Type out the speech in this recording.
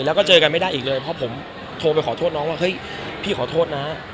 แล้วก็เจอกันไม่ได้อีกเลยเพราะผมโทรไปขอโทษน้องว่าเฮ้ยพี่ขอโทษนะ